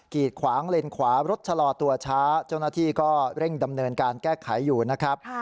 ีดขวางเลนขวารถชะลอตัวช้าเจ้าหน้าที่ก็เร่งดำเนินการแก้ไขอยู่นะครับ